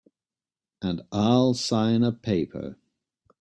And I'll sign a paper.